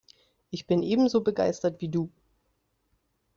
Ich bin ebenso begeistert wie du.